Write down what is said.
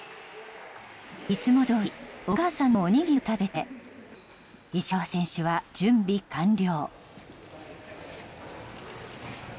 いつもどおりお母さんのおにぎりを食べて石川選手は準備完了。